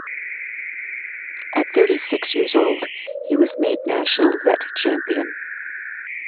At thirty-six years old, he was made National Vet Champion.